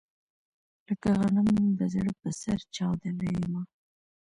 لکه غنم د زړه په سر چاودلی يمه